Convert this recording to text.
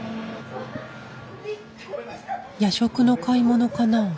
夜食の買い物かな？